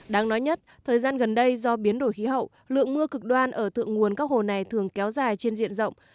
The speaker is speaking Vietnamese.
đáng nói nhất thời gian gần đây do biến đổi khí hậu lượng mưa cực đoan ở thượng nguồn các hồ này thường kéo dài trên diện rộng